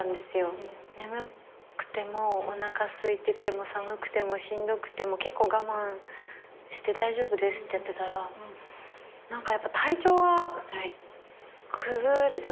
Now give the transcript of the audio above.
眠くてもおなかすいてても寒くてもしんどくても結構我慢して大丈夫ですってやってたらやっぱ体調が崩れちゃった時期もありまして。